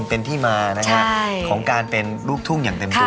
เป็นที่มานะครับของการเป็นลูกทุ่งอย่างเต็มตัว